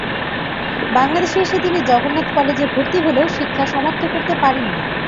বাংলাদেশে এসে তিনি জগন্নাথ কলেজে ভর্তি হলেও শিক্ষা সমাপ্ত করতে পারেন নি।